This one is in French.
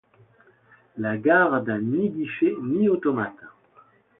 La gare n'a ni guichet ni automate.